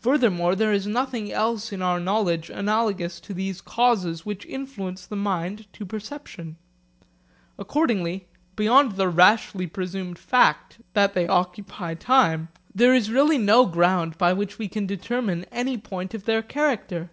Furthermore there is nothing else in our knowledge analogous to these causes which influence the mind to perception. Accordingly, beyond the rashly presumed fact that they occupy time, there is really no ground by which we can determine any point of their character.